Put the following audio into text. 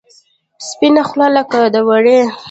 سپینه خوله لکه د ورې.